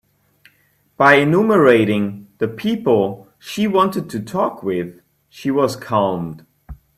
By enumerating the people she wanted to talk with, she was calmed.